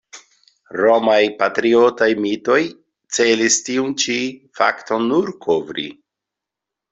Romaj patriotaj mitoj celis tiun ĉi fakton nur kovri.